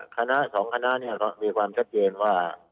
คณะสองคณะก็มีความชัดเจนว่า